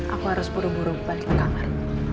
aku harus buru buru balik ke kamar